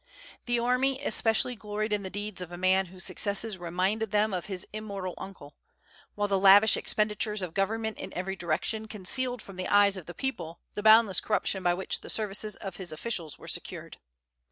The army especially gloried in the deeds of a man whose successes reminded them of his immortal uncle; while the lavish expenditures of government in every direction concealed from the eyes of the people the boundless corruption by which the services of his officials were secured.